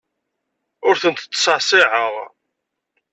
Ur tent-ttṣeɛṣiɛeɣ.